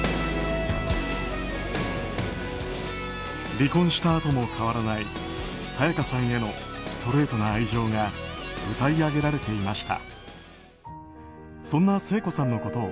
離婚したあとも変わらない沙也加さんへのストレートな愛情が歌い上げられていました。